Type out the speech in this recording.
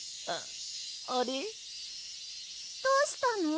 どうしたの？